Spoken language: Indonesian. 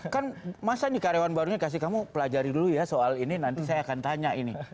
kan masa nih karyawan barunya kasih kamu pelajari dulu ya soal ini nanti saya akan tanya ini